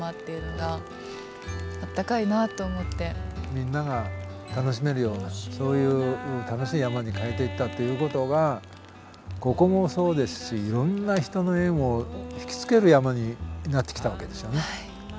みんなが楽しめるようなそういう楽しい山に変えていったっていうことがここもそうですしいろんな人の縁を引き付ける山になってきたわけですよね。